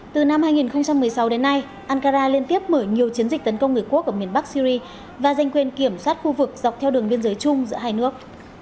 từ năm hai nghìn một mươi sáu đến nay ankara liên tiếp mở nhiều chiến dịch tấn công người quốc ở miền bắc syri và danh quên kiểm soát khu vực dọc theo đường biên giới chung giữa hai nước